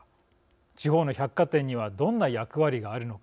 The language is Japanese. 地方の百貨店にはどんな役割があるのか。